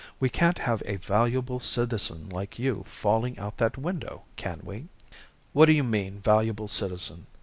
We can't have a valuable citizen like you falling out that window, can we?" "What do you mean, 'valuable citizen'?